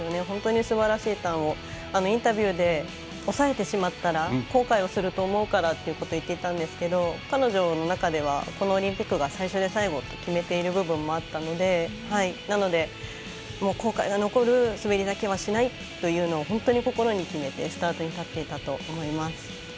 本当にすばらしいターンをインタビューで抑えてしまったら後悔をすると思うからということを言っていたんですけど彼女の中ではこのオリンピックが最初で最後と決めている部分もあったので、なので後悔が残る滑りだけはしないというのを心に決めてスタートに立っていたと思います。